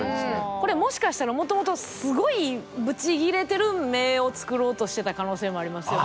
これもしかしたらもともとすごいブチギレてる目をつくろうとしてた可能性もありますよね。